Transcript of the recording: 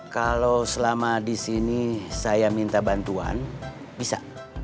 kalau selama di sini saya minta bantuan bisa